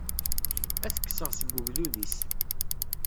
Ad t-kkseɣ seg ugdud-is.